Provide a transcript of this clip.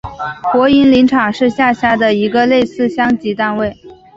国营林场是下辖的一个类似乡级单位。